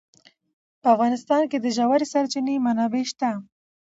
په افغانستان کې د ژورې سرچینې منابع شته.